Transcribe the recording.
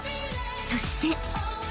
そして］